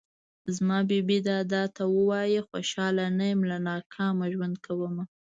زما بې بې دادا ته وايه خوشحاله نه يم له ناکامه ژوند کومه